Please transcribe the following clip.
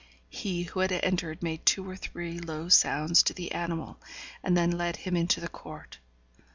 He who had entered made two or three low sounds to the animal, and then led him into the court.